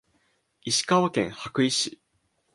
石川県羽咋市